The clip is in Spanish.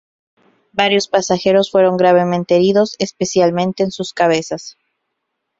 Varios pasajeros fueron gravemente heridos, especialmente en sus cabezas.